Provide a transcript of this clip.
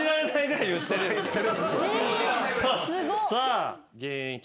さあ。